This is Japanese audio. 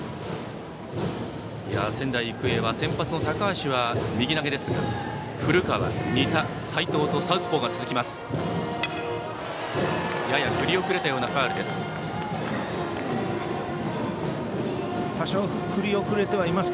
仙台育英は先発の高橋は右投げですが古川、仁田、斎藤とサウスポーが続きます。